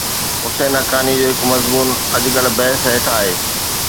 حسين حقاني جو هڪ مضمون اڄڪلهه بحث هيٺ آهي.